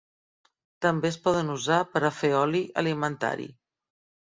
També es poden usar per a fer oli alimentari.